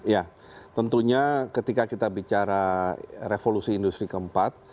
ya tentunya ketika kita bicara revolusi industri keempat